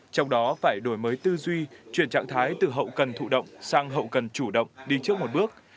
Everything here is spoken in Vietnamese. trong đó phải đổi mới tư duy chuyển trạng thái từ hậu cần thụ động sang hậu cần chủ động đi trước một bước